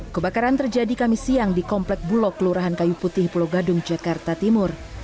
kebakaran terjadi kami siang di komplek bulog kelurahan kayu putih pulau gadung jakarta timur